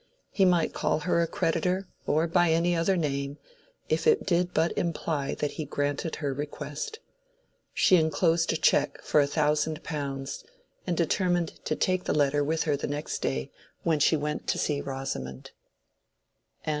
He might call her a creditor or by any other name if it did but imply that he granted her request. She enclosed a check for a thousand pounds, and determined to take the letter with her the next day when she went to see Rosamond.